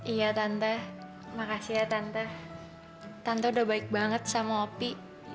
iya tanta makasih ya tante udah baik banget sama opi